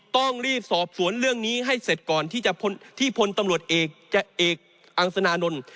ต้องรีบสอบสวนเรื่องนี้ให้เสร็จก่อนที่พลตำรวจเอกอังสนานนท์